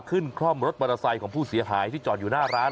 ขึ้นคล่อมรถบริษัทของผู้เสียหายที่จอดอยู่หน้าร้าน